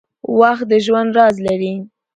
• وخت د ژوند راز لري.